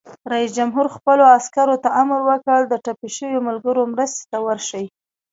رئیس جمهور خپلو عسکرو ته امر وکړ؛ د ټپي شویو ملګرو مرستې ته ورشئ!